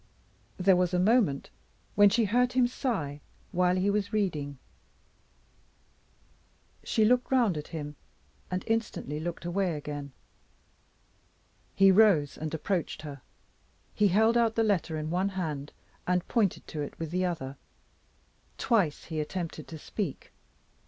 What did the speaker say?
There was a moment when she heard him sigh while he was reading. She looked round at him, and instantly looked away again. He rose and approached her; he held out the letter in one hand, and pointed to it with the other. Twice he attempted to speak.